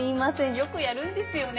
よくやるんですよね。